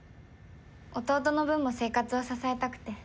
弟の分も生活を支えたくて。